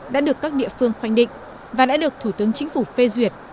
đã được các địa phương khoanh định và đã được thủ tướng chính phủ phê duyệt